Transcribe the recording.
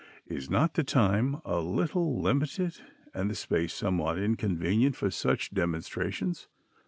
Is not the time a little limited and the space somewhat inconvenient for such demonstrations?